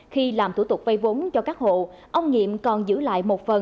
khi làm thủ tục vây vốn cho các hộ ông nhiệm còn giữ lại một phần